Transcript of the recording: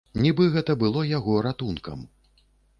Нібы гэта было яго ратункам.